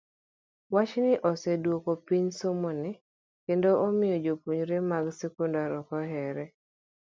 Wachni oseduoko piny somoni kendo omiyo jopuonjre mag sekondar ok ohere.